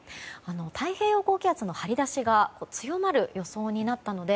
太平洋高気圧の張り出しが強まる予想になったので